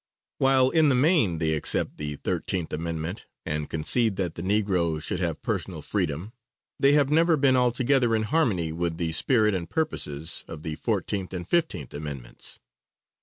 While in the main they accept the 13th amendment and concede that the negro should have personal freedom, they have never been altogether in harmony with the spirit and purposes of the 14th and 15th amendments.